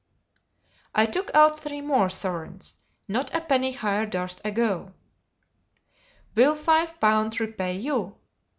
I took out three more sovereigns; not a penny higher durst I go. "Will five pounds repay you?